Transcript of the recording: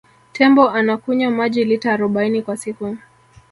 tembo anakunywa maji lita arobaini kwa siku